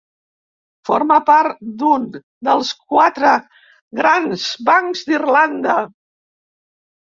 Forma part d'un dels quatre grans bancs d'Irlanda.